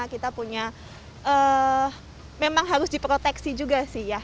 kita punya memang harus diproteksi juga sih ya